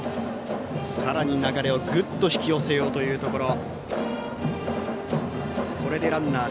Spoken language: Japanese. さらに流れをぐっと引き寄せようというところ。